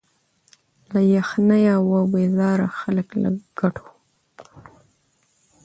له یخنیه وه بېزار خلک له ګټو